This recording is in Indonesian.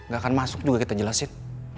gak akan masuk juga kita jelasin